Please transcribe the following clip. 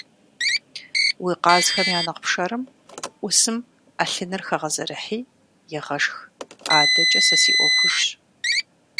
Уи къазхэм я нэхъ пшэрым Ӏусым Ӏэлъыныр хэгъэзэрыхьи, егъэшх, адэкӀэ сэ си Ӏуэхужщ.